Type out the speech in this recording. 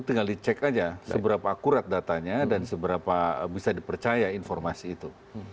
tinggal dicek saja seberapa akurat datanya dan seberapa bisa dipercaya informasi itu